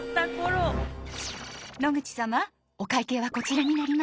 野口様お会計はこちらになります。